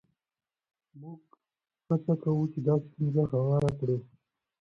موږ هڅه کوو چې دا ستونزه هواره کړو.